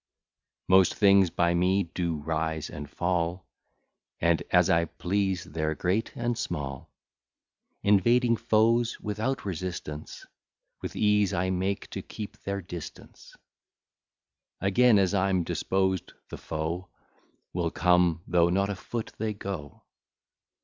Most things by me do rise and fall, And, as I please, they're great and small; Invading foes without resistance, With ease I make to keep their distance: Again, as I'm disposed, the foe Will come, though not a foot they go.